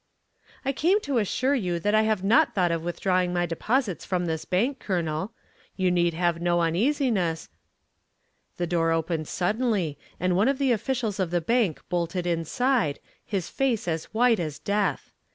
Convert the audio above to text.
"I came to assure you that I have not thought of withdrawing my deposits from this bank, Colonel. You need have no uneasiness " The door opened suddenly and one of the officials of the bank bolted inside, his face as white as death.